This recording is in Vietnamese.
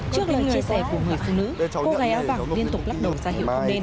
trước lần người xẻ của người phụ nữ cô gái áo vàng liên tục lắp đầu ra hiệu không đen